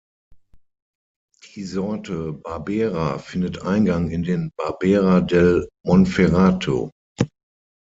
Die Sorte Barbera findet Eingang in den Barbera del Monferrato.